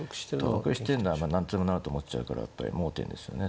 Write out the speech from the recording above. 得してんのは何とでもなると思っちゃうからやっぱり盲点ですよね